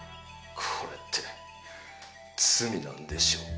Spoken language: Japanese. これって罪なんでしょうか？